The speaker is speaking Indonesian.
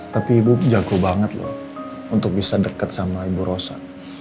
tapi ibu jago banget loh untuk bisa dekat sama ibu rosa